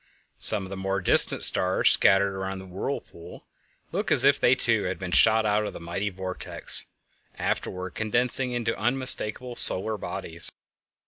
Some of the more distant stars scattered around the "whirlpool" look as if they too had been shot out of the mighty vortex, afterward condensing into unmistakable solar bodies.